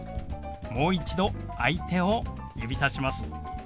もう一度相手を指さします。